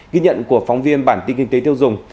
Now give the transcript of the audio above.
ghi nhận của phóng viên bản tin kinh tế tiêu dùng